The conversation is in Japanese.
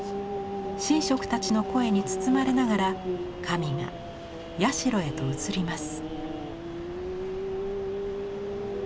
神職たちの声に包まれながら神が社へと遷ります。